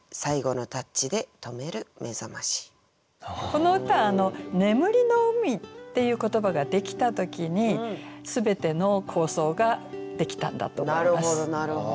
この歌は「眠りの海」っていう言葉ができた時に全ての構想ができたんだと思います。